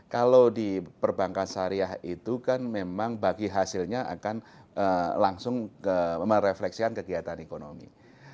kalau di perbankan syariah itu kan memang bagi hasilnya akan langsung merefleksikan kegiatan ekonomi